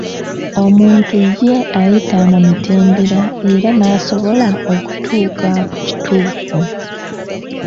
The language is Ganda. Omuntu ye ayita mu mitendera era n'asobola okutuuka ku kituufu.